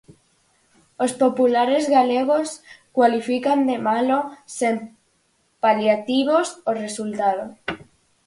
Os populares galegos cualifican de malo sen paliativos o resultado.